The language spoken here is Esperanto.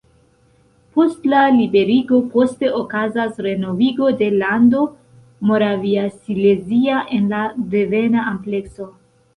Post la liberigo poste okazas renovigo de Lando Moraviasilezia en la devena amplekso.